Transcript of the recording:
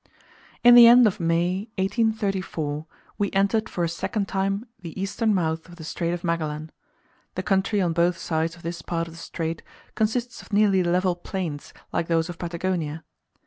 IN THE end of May, 1834, we entered for a second time the eastern mouth of the Strait of Magellan. The country on both sides of this part of the Strait consists of nearly level plains, like those of Patagonia.